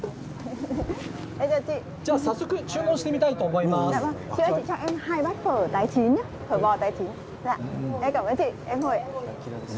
早速、注文してみたいと思います。